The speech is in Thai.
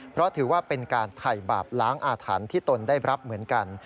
เพราะถือว่าเป็นการถ่ายบาปล้างอาถรรพ์ที่ตนได้รับเหมือนกัน